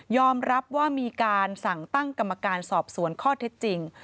รับว่ามีการสั่งตั้งกรรมการสอบสวนข้อเท็จจริง